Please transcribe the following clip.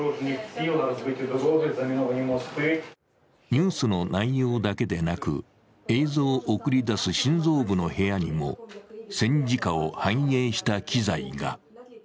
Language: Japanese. ニュースの内容だけでなく、映像を送り出す心臓部の部屋にも戦時下を反映した機材が。